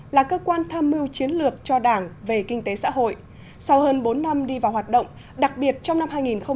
là cơ quan tham mưu chiến lược cho đảng về kinh tế xã hội sau hơn bốn năm đi vào hoạt động đặc biệt trong năm hai nghìn một mươi tám